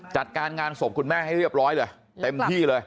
จัดการงานศพคุณแม่ให้เรียบร้อยเลยเต็มที่เลย